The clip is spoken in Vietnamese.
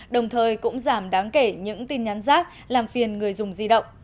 đồng thời cũng giảm đáng kể những tin nhắn rác làm phiền người dùng di động